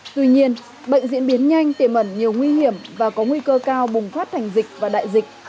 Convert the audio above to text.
tuy nhiên bệnh diễn biến nhanh tiềm ẩn nhiều nguy hiểm và có nguy cơ cao bùng phát thành dịch và đại dịch